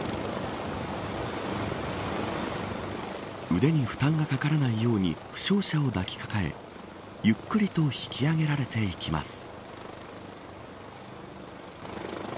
腕に負担がかからないように負傷者を抱きかかえゆっくりと引き上げられていきます。